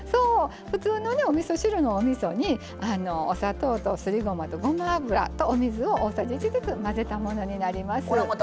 普通のおみそ汁のおみそにお砂糖と、すりごまとごま油とお水を大さじ１ずつ混ぜたものになります。